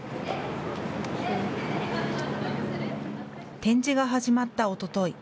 展示が始まったおととい。